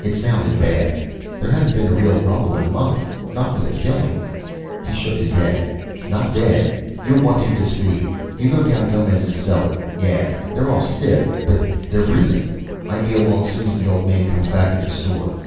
It sounded bad; there hadn't been a real rumble in months, not with a killing. He shook his head. "Not dead. You're wanting to see, you go down Gomez's cellar. Yeah, they're all stiff but they're breathing. I be along soon as the old man comes back in the store."